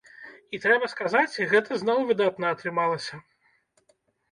І трэба сказаць, гэта зноў выдатна атрымалася.